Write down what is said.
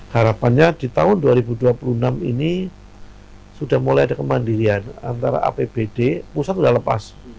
harapannya di tahun dua ribu dua puluh enam ini sudah mulai ada kemandirian antara apbd pusat sudah lepas